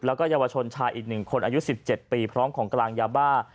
แล้วก็เยาวชนชายอีก๑คนอายุ๑๗ปีพร้อมของกลางยาบ้า